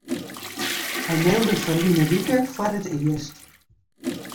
Hy mailde ferline wike foar it earst.